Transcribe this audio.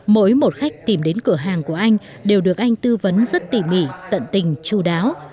mỗi một khách tìm đến cửa hàng của anh đều được anh tư vấn rất tỉ mỉ tận tình chú đáo